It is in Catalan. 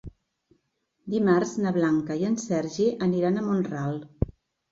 Dimarts na Blanca i en Sergi aniran a Mont-ral.